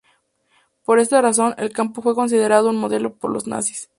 Por esta razón el campo fue considerado un modelo por los nazis.